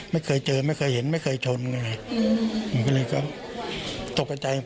ไม่เคยเจอไม่เคยเห็นไม่เคยชนอะไรอืม